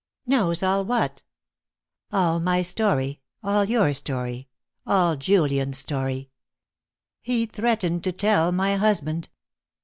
"Knows all what?" "All my story all your story all Julian's story. He threatened to tell my husband."